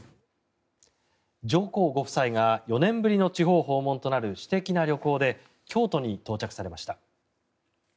上皇ご夫妻が４年ぶりの地方訪問となる私的な旅行で京都に到着されました。